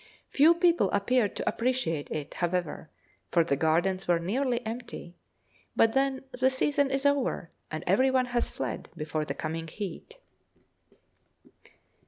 Few people appeared to appreciate it, however, for the gardens were nearly empty; but then the season is over, and every one has fled before the coming heat.